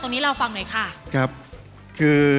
กล้องเสียด้วยหน้าของคุณพิวเกิน